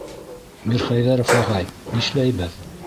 Мирхәйҙәров ағай, нишләйбеҙ?